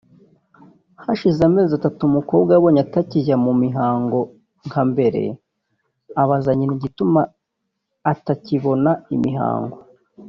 Hashize amazi atatu umukobwa abonye atakijya mu mihango nka mbere abaza nyina igituma atakibona imihango